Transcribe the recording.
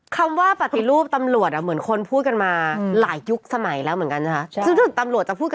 คำว่าปฏิรูปตำรวจเหมือนคนพูดกันมาหลายยุคสมัยแล้วเหมือนกันนะคะ